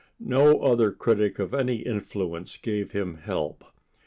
No other critic of any influence gave him help.